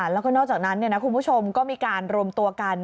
แล้วก็นอกจากนั้นคุณผู้ชมก็มีการรวมตัวกัน